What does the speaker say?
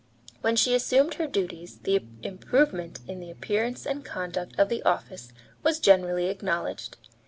When she assumed her duties the improvement in the appearance and conduct of the office was generally acknowledged.